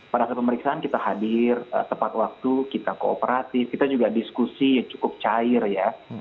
pada saat pemeriksaan kita hadir tepat waktu kita kooperatif kita juga diskusi cukup cair ya